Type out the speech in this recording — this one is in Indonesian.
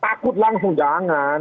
takut langsung jangan